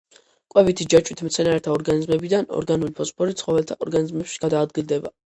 კვებითი ჯაჭვით მცენარეთა ორგანიზმებიდან ორგანული ფოსფორი ცხოველთა ორგანიზმებში გადაადგილდება.